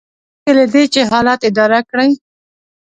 مخکې له دې چې حالات اداره کړئ.